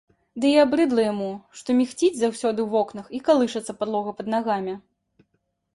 Ды і абрыдала яму, што мігціць заўсёды ў вокнах і калышацца падлога пад нагамі.